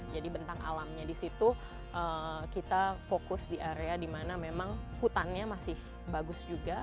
jadi bentang alamnya di situ kita fokus di area di mana memang hutannya masih bagus juga